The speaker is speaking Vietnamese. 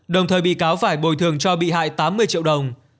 đồng thời bị cáo phải bồi thường cho bị hại tám mươi triệu đồng